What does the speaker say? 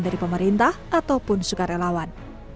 dari pemerintah ataupun sukarelawan